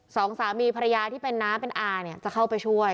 สองสามีภรรยาที่เป็นน้าเป็นอาเนี่ยจะเข้าไปช่วย